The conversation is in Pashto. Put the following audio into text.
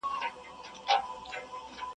o واده د الله داد، پکښي غورځي مولا داد.